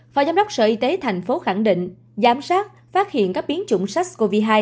phó giám đốc sở y tế thành phố khẳng định giám sát phát hiện các biến chủng sars cov hai